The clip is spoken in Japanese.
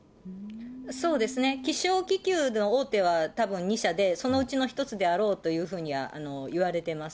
そうですね、気象気球の大手はたぶん２社で、その１つであろうというふうには言われてます。